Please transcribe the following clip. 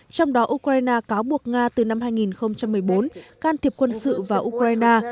trong đó ukraine cáo buộc nga từ năm hai nghìn một mươi bốn can thiệp quân sự vào ukraine